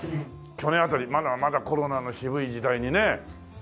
去年辺りまだまだコロナの渋い時代にね。